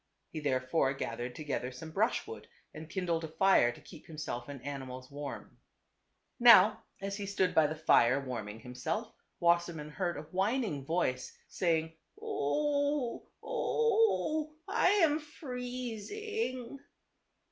He therefore gathered together some brushwood and kindled a fire to keep himself and animals warm. Now, as he stood by the fire warming himself, Wassermann heard a whining voice, saying, " O oh, o oh ! I am freezing."